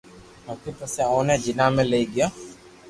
ھتي پسي اوني جناح ۾ لئي گيو